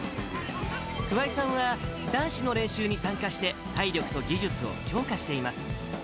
桑井さんは、男子の練習に参加して体力と技術を強化しています。